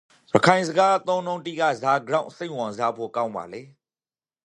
ရခိုင်စကားအသုံးအနှုံးတိကဇာကြောင့်စိတ်ဝင်စားဖို့ ကောင်းပါလေ?